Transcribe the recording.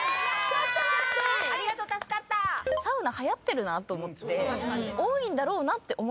サウナはやってるなと思って多いんだろうなって思ったんです。